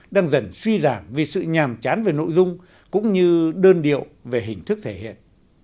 đang dần suy giảm vì sự nhàm chán về nội dung cũng như đơn điệu về hình thức thể hiện